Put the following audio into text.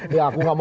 ya aku gak mau